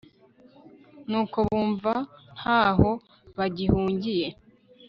nuko bumva ko nta ho bagihungiye